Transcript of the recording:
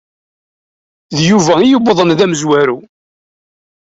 D Yuba i d-yewwḍen d amenzu.